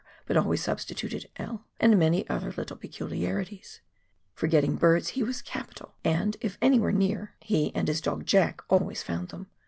but always substi tuted " L," and many other little peculiarities. For get ting birds he was capital, and, if any were near, he and his KAKANGAEUA RIVER. 211 dog "Jack" always found them.